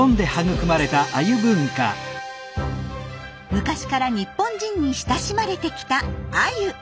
昔から日本人に親しまれてきたアユ。